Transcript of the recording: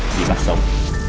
để bắt sống